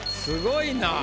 すごいな。